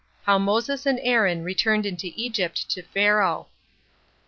How Moses And Aaron Returned Into Egypt To Pharaoh.